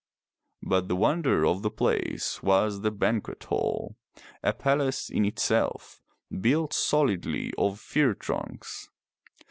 But the wonder of the place was the banquet hall, a palace in itself, built solidly of fir trunks.